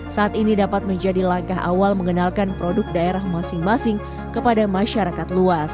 saat ini dapat menjadi langkah awal mengenalkan produk daerah masing masing kepada masyarakat luas